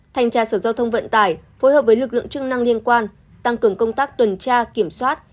thành tra sở giao thông vận tải phối hợp với lực lượng chức năng liên quan tăng cường công tác tuần tra kiểm soát